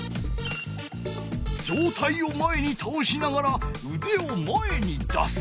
上体を前にたおしながらうでを前に出す。